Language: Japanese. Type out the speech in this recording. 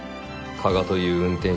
加賀という運転手は。